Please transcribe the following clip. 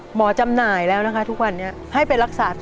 จำหน่ายแล้วนะคะทุกวันนี้ให้ไปรักษาต่อ